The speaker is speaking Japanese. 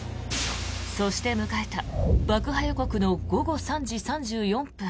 そして迎えた爆破予告の午後３時３４分。